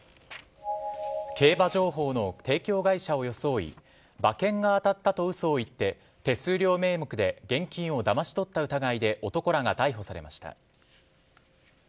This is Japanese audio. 競馬情報の提供会社を装い馬券が当たったと嘘を言って手数料名目で現金をだまし取った疑いで男らが逮捕されました。